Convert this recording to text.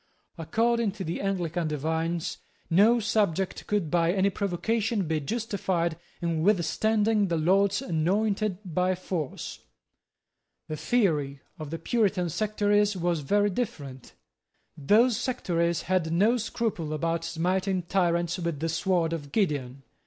According to the Anglican divines, no subject could by any provocation be justified in withstanding the Lord's anointed by force. The theory of the Puritan sectaries was very different. Those sectaries had no scruple about smiting tyrants with the sword of Gideon.